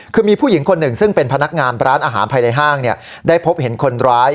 คือมีผู้หญิงคนหนึ่งซึ่งเป็นพนักงานร้านอาหารภายในห้างได้พบเห็นคนร้าย